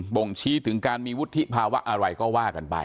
บ่งชี้ถึงการมีวุฒิภาวะอะไรก็ว่ากันไป